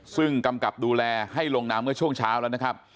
ซึ่งกำกับดูแลให้ลงน้ำเมื่อช่วงเช้าแล้วนะครับ